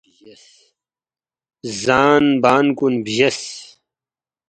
زان بان کُن بجیس